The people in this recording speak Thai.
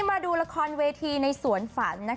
มาดูละครเวทีในสวนฝัน